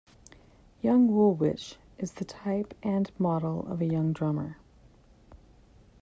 Young Woolwich is the type and model of a young drummer.